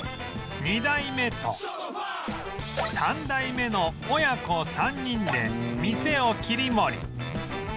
２代目と３代目の親子３人で店を切り盛り